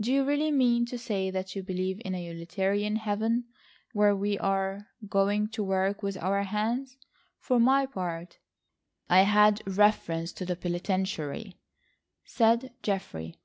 Do you really mean to say that you believe in a utilitarian Heaven, where we are going to work with our hands? For my part—" "I had reference to the penitentiary," said Geoffrey.